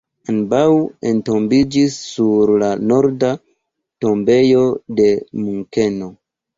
Ambaŭ entombiĝis sur la norda tombejo de Munkeno.